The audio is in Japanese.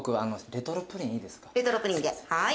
レトロプリンではい。